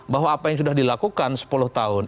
bahwa apa yang sudah dilakukan sepuluh tahun